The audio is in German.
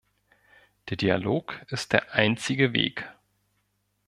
Der Dialog ist der einzige Weg.